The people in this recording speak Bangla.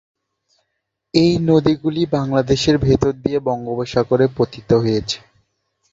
এই নদীগুলি বাংলাদেশের ভেতর দিয়ে বঙ্গোপসাগরে পতিত হয়েছে।